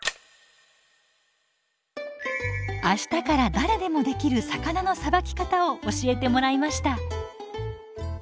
明日から誰でもできる魚のさばき方を教えてもらいました。